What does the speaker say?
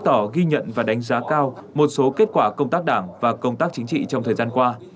tỏ ghi nhận và đánh giá cao một số kết quả công tác đảng và công tác chính trị trong thời gian qua